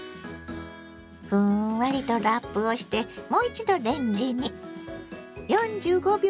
ふんわりとラップをしてもう一度レンジに。